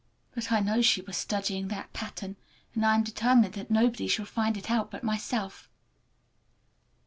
But I know she was studying that pattern, and I am determined that nobody shall find it out but myself!